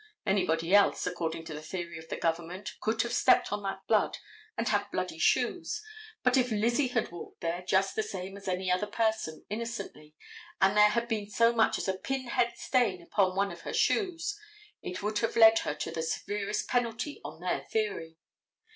Anybody else, according to the theory of the government, could have stepped on that blood and have bloody shoes, but if Lizzie had walked there just the same as any other person innocently, and there had been so much as a pin head stain upon one of her shoes, it would have led her to the severest penalty on their theory.